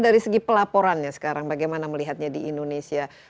dari segi pelaporannya sekarang bagaimana melihatnya di indonesia